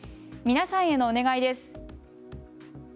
皆さんへのお願いです。